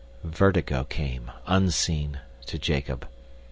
Vertigo came, unseen, to Jacob.